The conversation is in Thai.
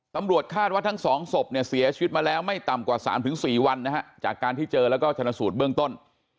ตำรวจคาดว่าทั้งสองศพเนี่ยเสียชีวิตมาแล้วไม่ต่ำกว่า๓๔วันนะฮะจากการที่เจอแล้วก็ชนะสูตรเบื้องต้น